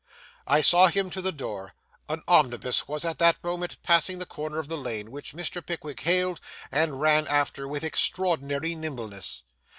I saw him to the door; an omnibus was at the moment passing the corner of the lane, which Mr. Pickwick hailed and ran after with extraordinary nimbleness.